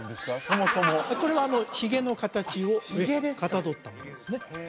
そもそもこれはひげの形をかたどったものですね